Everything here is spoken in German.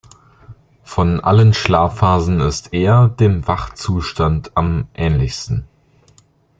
Von allen Schlafphasen ist er dem Wachzustand am ähnlichsten.